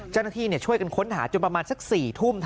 จันทีเนี่ยช่วยกันค้นหาจนประมาณสัก๔ทุ่ม